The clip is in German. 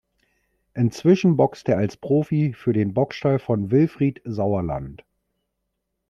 Inzwischen boxt er als Profi für den Boxstall von Wilfried Sauerland.